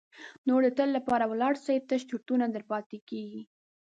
نور د تل لپاره ولاړ سي تش چرتونه در پاتیږي.